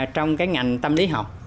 trong cái ngành tâm lý học